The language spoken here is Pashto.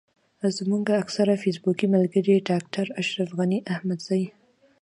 زموږ اکثره فېسبوکي ملګري ډاکټر اشرف غني احمدزی.